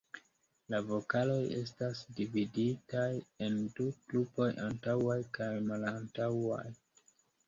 La vokaloj estas dividitaj en du grupoj: antaŭaj kaj malantaŭaj.